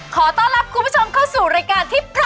ขอต้อนรับคุณผู้ชมเข้าสู่รายการที่พร้อม